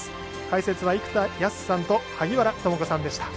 解説は、生田泰志さんと萩原智子さんでした。